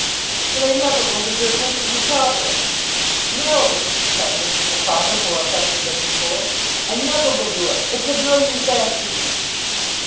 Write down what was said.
But I never will desert Mr. Micawber. No!' cried Mrs. Micawber, more affected than before, 'I never will do it! It's of no use asking me!